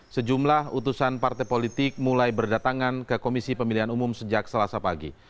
sejumlah utusan partai politik mulai berdatangan ke komisi pemilihan umum sejak selasa pagi